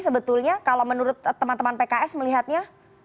sebetulnya kalau menurut teman teman pks melihatnya